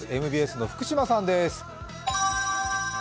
ＭＢＳの福島さんです。